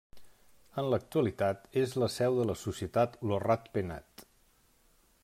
En l'actualitat és la seu de la societat Lo Rat Penat.